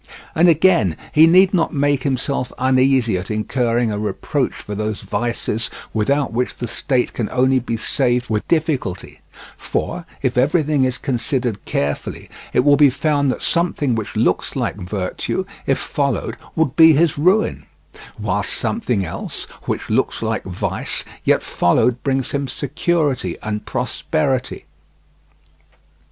And again, he need not make himself uneasy at incurring a reproach for those vices without which the state can only be saved with difficulty, for if everything is considered carefully, it will be found that something which looks like virtue, if followed, would be his ruin; whilst something else, which looks like vice, yet followed brings him security and prosperity.